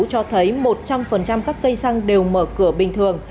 cho thấy một trăm linh các cây xăng đều mở cửa bình thường